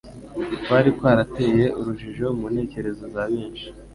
kwari kwarateye urujijo mu ntekerezo za benshi,